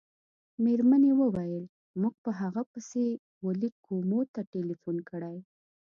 مېرمنې وویل: موږ په هغه پسې وه لېک کومو ته ټېلیفون کړی.